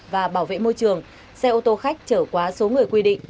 và bảo vệ môi trường xe ô tô khách trở quá số người quy định